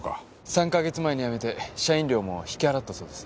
３か月前に辞めて社員寮も引き払ったそうです。